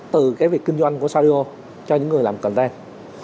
từ cái việc kinh doanh của saudio cho những người làm container